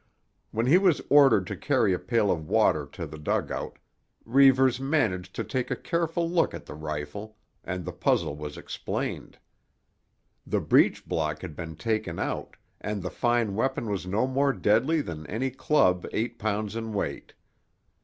When he was ordered to carry a pail of water to the dugout Reivers managed to take a careful look at the rifle, and the puzzle was explained. The breech block had been taken out and the fine weapon was no more deadly than any club eight pounds in weight.